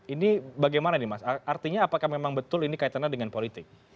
ini bagaimana nih mas artinya apakah memang betul ini kaitannya dengan politik